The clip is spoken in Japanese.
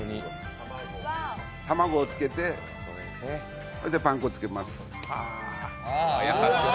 卵をつけて、パン粉をつけます。